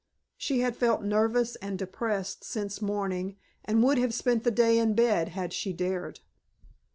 She had felt nervous and depressed since morning and would have spent the day in bed had she dared.